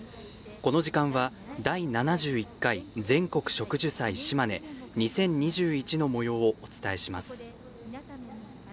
この時間は「第７１回全国植樹祭しまね２０２１」のもようをお伝えします。